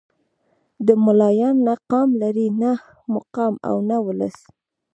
دا ملايان نه قام لري نه مقام او نه ولس.